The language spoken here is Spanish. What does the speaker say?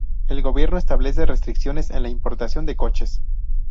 El gobierno establece restricciones en la importación de coches.